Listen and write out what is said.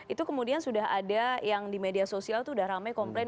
itu kemudian sudah ada yang di media sosial itu sudah ramai komplain